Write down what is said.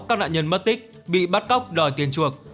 các nạn nhân mất tích bị bắt cóc đòi tiền chuộc